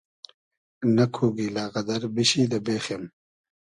نئکو گیلۂ غئدئر بیشی دۂ بېخیم